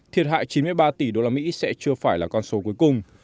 thiệt hại chín mươi ba tỷ đô la mỹ sẽ chưa phải là con số cuối cùng